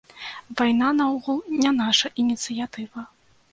Вайна наогул не наша ініцыятыва.